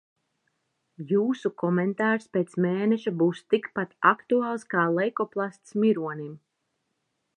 Jūsu komentārs pēc mēneša būs tikpat aktuāls kā leikoplasts mironim.